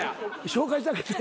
紹介してあげて。